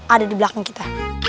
ada di belakang kita